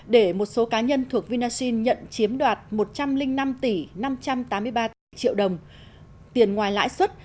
để một số cá nhân thuộc vinashin nhận chiếm đoạt một trăm linh năm tỷ năm trăm tám mươi ba triệu đồng tiền ngoài lãi xuất